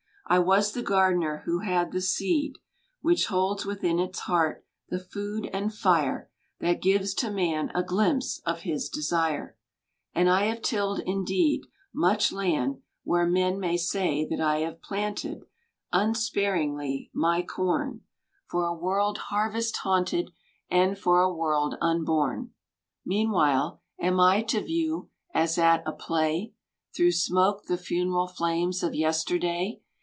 I was the gardener who had the seed Which holds within its heart the food and fire That gives to man a gUmpse of his desire; And I have tilled, indeed^ Much land, where men may say that I have planted [28| Unsparingly my corn— For a world harvest haunted And for a world unborn. Meanwhile, am I to view, as at a play, Tlirougb smoke the funeral flames of yesterday.